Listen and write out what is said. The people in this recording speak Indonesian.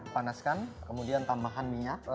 panaskan kemudian tambahkan minyak